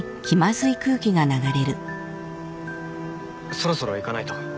そろそろ行かないと。